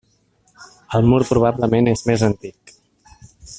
El mur probablement és més antic.